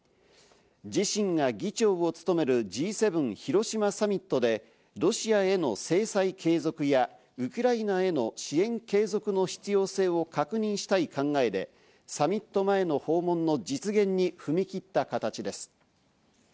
自身が議長を務めるＧ７広島サミットで、ロシアへの制裁継続やウクライナへの支援継続の必要性を確認したい考えで、サミット前の訪問を実現に踏み切った形です。